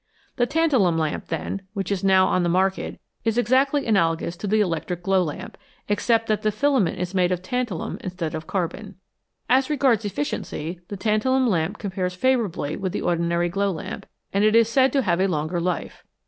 The tantalum lamp, then, which is now on the market, is exactly analogous to the electric glow lamp, except that the filament is made of tantalum instead of carbon. As regards efficiency, the tantalum lamp compares favour ably with the ordinary glow lamp, and it is said to have a longer life.